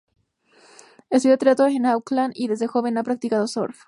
Estudió teatro en Auckland y desde joven ha practicado surf.